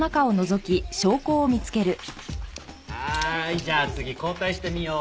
はいじゃあ次交代して見よう。